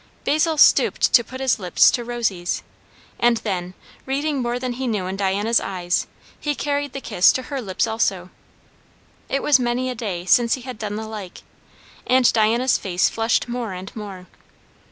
Basil stooped to put his lips to Rosy's, and then, reading more than he knew in Diana's eyes, he carried the kiss to her lips also. It was many a day since he had done the like, and Diana's face flushed more and more.